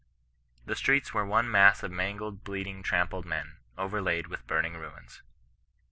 The streets were one mass of mangled, bleeding, tram pled men, overlaid with burning ruins."